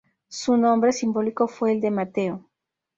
Su nombre simbólico fue el de Mateo.